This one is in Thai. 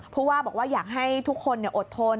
ผู้ว่าบอกว่าอยากให้ทุกคนอดทน